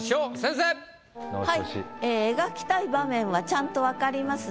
描きたい場面はちゃんとわかりますね。